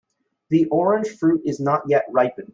The orange fruit is not yet ripened.